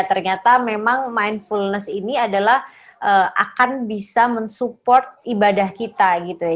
ternyata memang mindfulness ini adalah akan bisa mensupport ibadah kita gitu ya